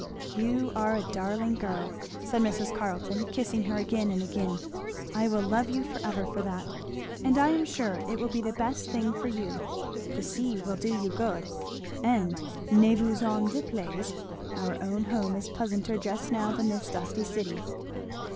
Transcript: "You are a darling girl!" said Mrs. Carleton kissing her again and again. "I will love you forever for that. And I am sure it will be the best thing for you the sea will do you good and ne vous en déplaise, our own home is pleasanter just now than this dusty town.